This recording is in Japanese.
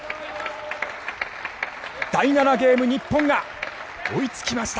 第７ゲーム、日本が追いつきました。